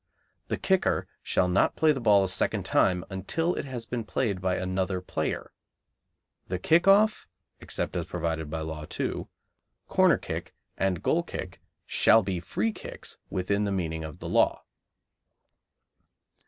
The kicker shall not play the ball a second time until it has been played by another player. The kick off (except as provided by Law 2), corner kick, and goal kick shall be free kicks within the meaning of the law.